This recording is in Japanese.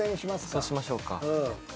そうしましょうか。